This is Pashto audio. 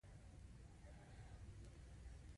دا د کابینې د جلسې د راپور کاپي ده.